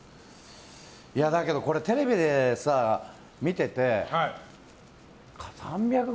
だけど、これテレビで見てて３００ｇ